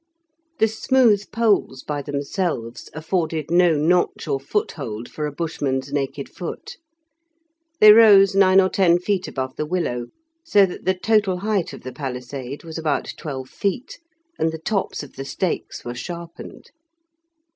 The smooth poles by themselves afforded no notch or foothold for a Bushman's naked foot. They rose nine or ten feet above the willow, so that the total height of the palisade was about twelve feet, and the tops of the stakes were sharpened.